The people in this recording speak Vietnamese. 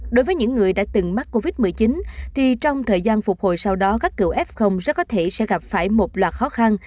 đối với những người đã từng mắc covid một mươi chín thì trong thời gian phục hồi sau đó các cựu f rất có thể sẽ gặp phải một loạt khó khăn